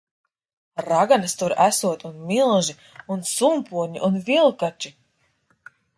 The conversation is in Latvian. Raganas tur esot un milži. Un sumpurņi un vilkači.